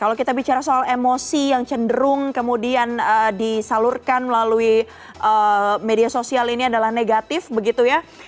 kalau kita bicara soal emosi yang cenderung kemudian disalurkan melalui media sosial ini adalah negatif begitu ya